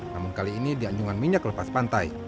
namun kali ini di anjungan minyak lepas pantai